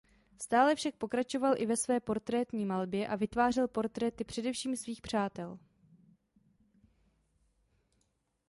Stále však pokračoval i ve své portrétní malbě a vytvářel portréty především svých přátel.